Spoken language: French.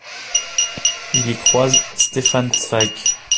Il y croise Stefan Zweig.